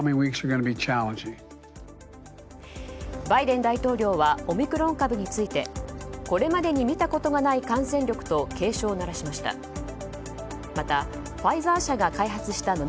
バイデン大統領はオミクロン株についてこれまでに見たことがない感染力と警鐘を鳴らしました。